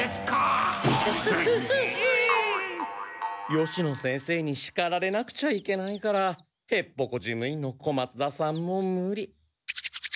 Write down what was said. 吉野先生にしかられなくちゃいけないからヘッポコ事務員の小松田さんもムリ。